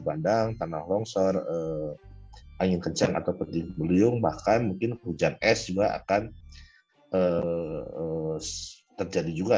bandang tanah longsor angin kencang atau penting puliung bahkan mungkin hujan es juga akan terjadi juga